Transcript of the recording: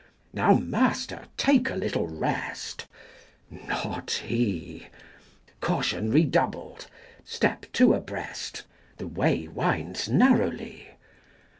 "Now, master, take a little rest!" not he! (Caution redoubled, 90 Step two abreast, the way winds narrowly!)